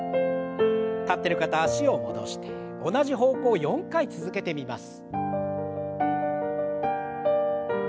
立ってる方脚を戻して同じ方向を４回続けてみます。